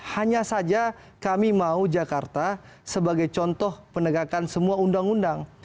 hanya saja kami mau jakarta sebagai contoh penegakan semua undang undang